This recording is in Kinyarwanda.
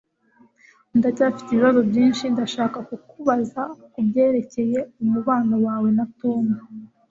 Ndacyafite ibibazo byinshi ndashaka kukubaza kubyerekeye umubano wawe na Tom